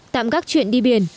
tạm gác chuyện đi biển